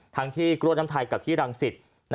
ทั้งที่กรวดน้ำไทยกับที่รังศิษย์